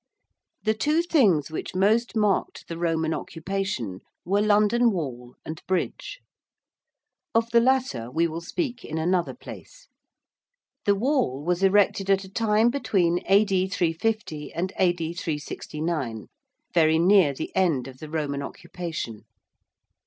The two things which most marked the Roman occupation were London Wall and Bridge. Of the latter we will speak in another place. The wall was erected at a time between A.D. 350 and A.D. 369 very near the end of the Roman occupation.